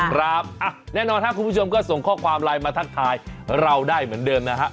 ครับแน่นอนครับคุณผู้ชมก็ส่งข้อความไลน์มาทักทายเราได้เหมือนเดิมนะฮะ